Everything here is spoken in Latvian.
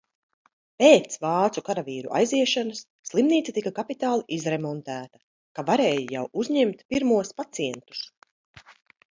Pēc vācu karavīru aiziešanas, slimnīca tika kapitāli izremontēta, ka varēja jau uzņemt pirmos pacientus.